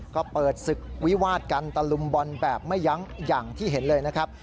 ก็เปิดศึกวิวาดกันตะลุมบอลแบบไม่ยั้งอย่างที่เห็นเลยนะครับ